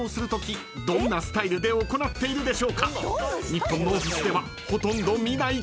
［日本のオフィスではほとんど見ないかも］